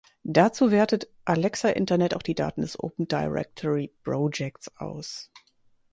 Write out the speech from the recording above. Dazu wertet Alexa Internet auch die Daten des Open Directory Projects aus.